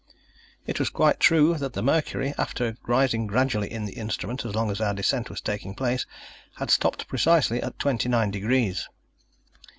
It was quite true that the mercury, after rising gradually in the instrument, as long as our descent was taking place, had stopped precisely at twenty nine degrees.